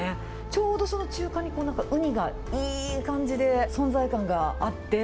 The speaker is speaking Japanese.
ちょうどその中間にウニがいい感じで存在感があって。